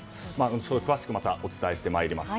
後ほど詳しくまたお伝えしてまいります。